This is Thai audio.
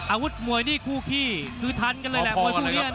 อาวุธมวยนี่คู่ขี้คือทันกันเลยแหละมวยคู่นี้